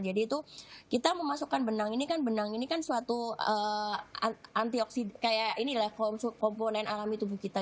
jadi itu kita memasukkan benang ini kan benang ini kan suatu antioksida kayak ini lah komponen alami tubuh kita